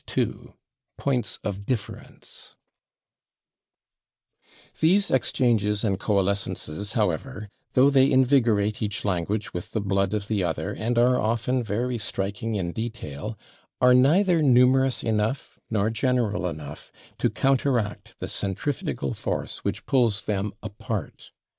§ 2 /Points of Difference/ These exchanges and coalescences, however, though they invigorate each language with the blood of the other and are often very striking in detail, are neither numerous enough nor general enough to counteract the centrifugal force which pulls them apart.